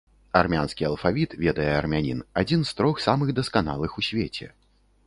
Армянскі алфавіт, ведае армянін, адзін з трох самых дасканалых у свеце.